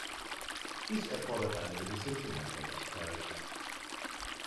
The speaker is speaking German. Dies erfordert eine gewisse Fingerfertigkeit.